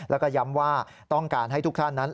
แล้วก็ย้ำว่าต้องการให้ทุกท่านนั้น